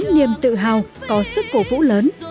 với niềm tự hào có sức cổ vũ lớn